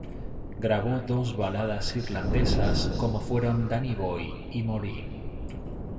Grabó dos baladas irlandesas como fueron "Danny Boy" y "Maureen".